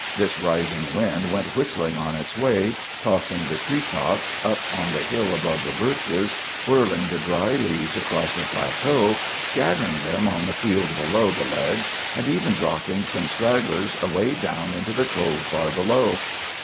This rising wind went whistling on its way, tossing the tree tops, up on the hill above the birches, whirling the dry leaves across the plateau, scattering them on the field below the ledge, and even dropping some stragglers away down into the Cove far below.